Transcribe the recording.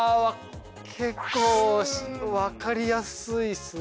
結構分かりやすいっすね。